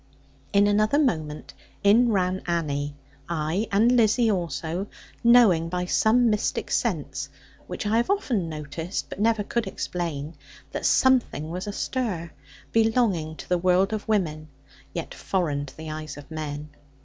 In another moment in ran Annie, ay and Lizzie also, knowing by some mystic sense (which I have often noticed, but never could explain) that something was astir, belonging to the world of women, yet foreign to the eyes of men.